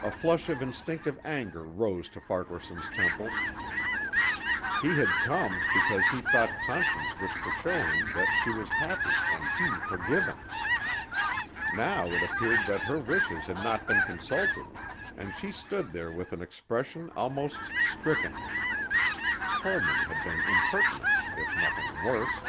A flush of instinctive anger rose to Farquaharson's temples. He had come because he thought Conscience wished to show him that she was happy and he forgiven. Now it appeared that her wishes had not been consulted, and she stood there with an expression almost stricken. Tollman had been impertinent if nothing worse.